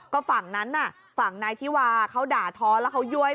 ก็ฝั่งนั้นน่ะฝั่งนายธิวาเขาด่าท้อแล้วเขายั่ว